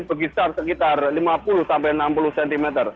berkisar sekitar lima puluh sampai enam puluh cm